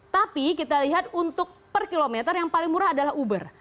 tapi kita lihat untuk per kilometer yang paling murah adalah uber